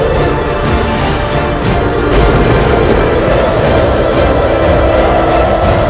saya akan lupakanmu betul betul